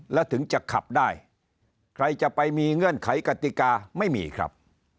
แล้วถึงจะขับได้ใครจะไปมีเงื่อนไขกติกาไม่มีครับ